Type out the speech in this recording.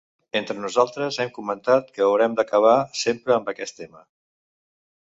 Entre nosaltres hem comentat que haurem d’acabar sempre amb aquest tema.